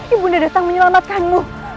ibu nda datang menyelamatkanmu